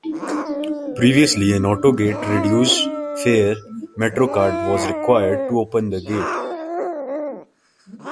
Previously, an "AutoGate" Reduced-fare MetroCard was required to open the gate.